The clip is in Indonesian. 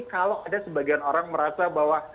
kalau ada sebagian orang merasa bahwa